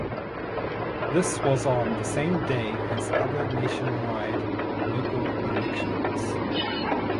This was on the same day as other nationwide local elections.